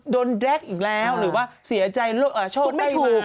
แร็กอีกแล้วหรือว่าเสียใจโชคได้มา